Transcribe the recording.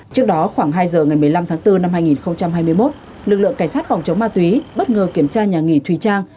trước đó khoảng hai giờ ngày một mươi năm tháng bốn năm hai nghìn hai mươi một lực lượng cảnh sát phòng chống ma túy bất ngờ kiểm tra nhà nghỉ thùy trang